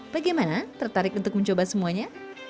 bagaimana tertarik untuk mencoba semuanya